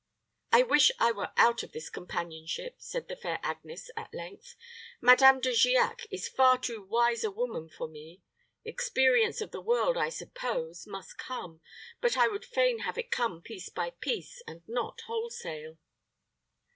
"I wish I were out of this companionship," said the fair Agnes, at length; "Madame De Giac is far too wise a woman for me. Experience of the world, I suppose, must come, but I would fain have it come piece by piece, and not wholesale."